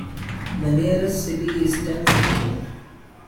The nearest city is Tell City.